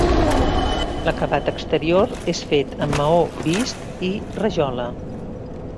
L'acabat exterior és fet amb maó vist i rajola.